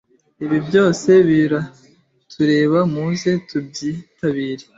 Ibi byose biratureba muze tubyitabire